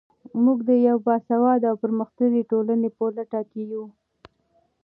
موږ د یوې باسواده او پرمختللې ټولنې په لټه کې یو.